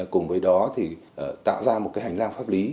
cùng với đó thì tạo ra một cái hành lang pháp lý